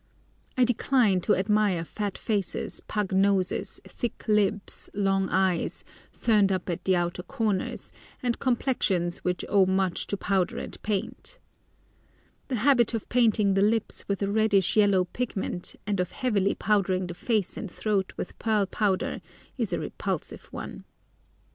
I decline to admire fat faces, pug noses, thick lips, long eyes, turned up at the outer corners, and complexions which owe much to powder and paint. The habit of painting the lips with a reddish yellow pigment, and of heavily powdering the face and throat with pearl powder, is a repulsive one.